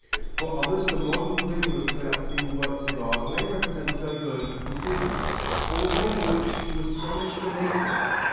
For others the modern whim of collecting works of art may represent a diversion from business, or a way in which "to astonish the natives."